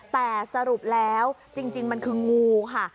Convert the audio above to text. แต่สรุปแล้วจริงมันคืองูค่ะ